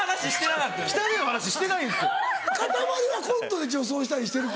かたまりはコントで女装したりしてるか。